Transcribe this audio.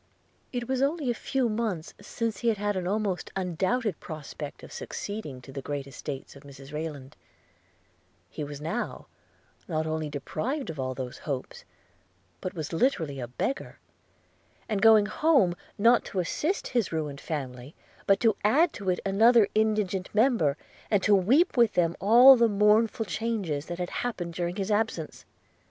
It was only a few months since he had an almost undoubted prospect of succeeding to the great estates of Mrs Rayland; he was now not only deprived of all those hopes, but was literally a beggar – and going home, not to assist his ruined family, but to add to it another indigent member, and to weep with them all the mournful changes that had happened during his absence.